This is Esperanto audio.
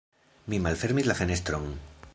Mi malfermis la fenestron.